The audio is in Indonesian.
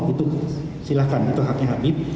itu silahkan itu haknya habib